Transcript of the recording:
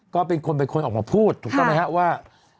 ก็เป็นคนเป็นคนออกมาพูดถูกต้องไหมครับว่า